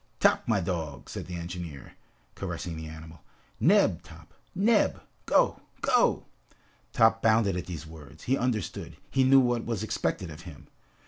"Top, my dog," said the engineer, caressing the animal, "Neb, Top! Neb! Go, go!" Top bounded at these words. He understood, he knew what was expected of him.